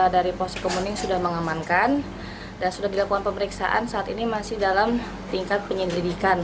dari polsek kemuning sudah mengamankan dan sudah dilakukan pemeriksaan saat ini masih dalam tingkat penyelidikan